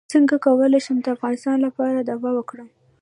څنګه کولی شم د افغانستان لپاره دعا وکړم